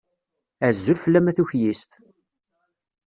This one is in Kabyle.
Azul fell-am a tukyist!